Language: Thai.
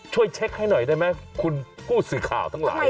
ช่วยเช็คให้หน่อยได้ไหมคุณผู้สื่อข่าวทั้งหลาย